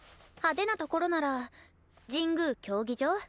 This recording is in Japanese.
派手なところなら神宮競技場？